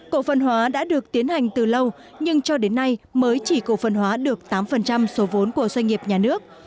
cộ phân hóa đã được tiến hành từ lâu nhưng cho đến nay mới chỉ cổ phân hóa được tám số vốn của doanh nghiệp nhà nước